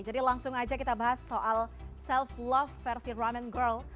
jadi langsung aja kita bahas soal self love versi ramen girl